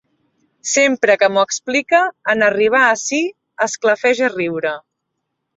Sempre que m'ho explica, en arribar ací esclafeix a riure.